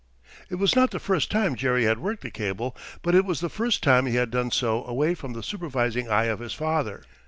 It was not the first time Jerry had worked the cable, but it was the first time he had done so away from the supervising eye of his father.